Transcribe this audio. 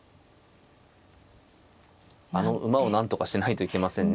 あの馬をなんとかしないといけませんね。